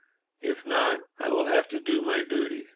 If not—I will have to do my duty."